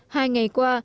hai ngày qua